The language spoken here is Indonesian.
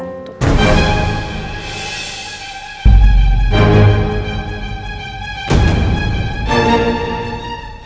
emrol cucuk jadi pembantu